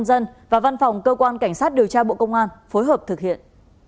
tòa văn phòng cơ quan cảnh sát điều tra bộ công an phối hợp thực hiện